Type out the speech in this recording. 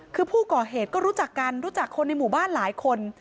คือผู้ก่อเหตุก็รู้จักกันรู้จักคนในหมู่บ้านหลายคน